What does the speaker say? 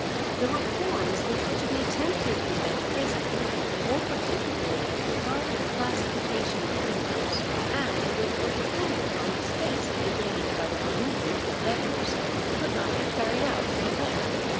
The reforms which were to be attempted in that prison, more particularly as regarded the classification of prisoners, and which were dependent on the space to be gained by the removal of the debtors, could not be carried out till then.